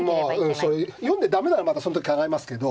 うんそう読んで駄目ならまたその時考えますけど。